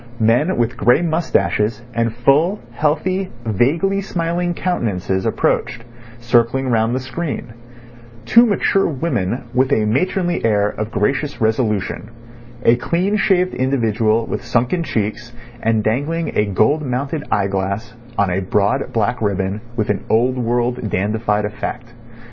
Men with grey moustaches and full, healthy, vaguely smiling countenances approached, circling round the screen; two mature women with a matronly air of gracious resolution; a clean shaved individual with sunken cheeks, and dangling a gold mounted eyeglass on a broad black ribbon with an old world, dandified effect.